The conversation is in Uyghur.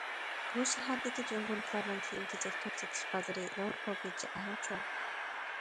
بۇ شەھەردىكى جۇڭگولۇقلارنىڭ كىيىم- كېچەك توپ سېتىش بازىرى ياۋروپا بويىچە ئەڭ چوڭ.